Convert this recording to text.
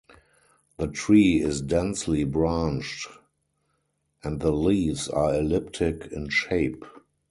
The tree is densely branched and the leaves are elliptic in shape.